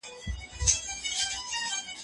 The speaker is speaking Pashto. د بې نورمۍ مخنيوي ته پام وکړئ.